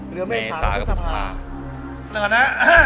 เดินก่อนนะ